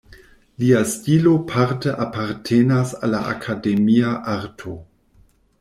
Lia stilo parte apartenas al la akademia arto.